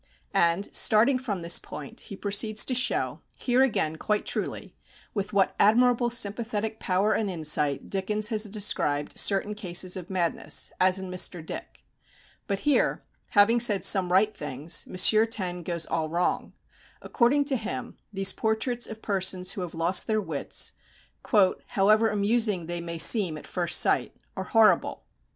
And, starting from this point, he proceeds to show, here again quite truly, with what admirable sympathetic power and insight Dickens has described certain cases of madness, as in Mr. Dick. But here, having said some right things, M. Taine goes all wrong. According to him, these portraits of persons who have lost their wits, "however amusing they may seem at first sight," are "horrible."